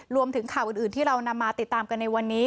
รวมถึงข่าวอื่นที่เรานำมาติดตามกันในวันนี้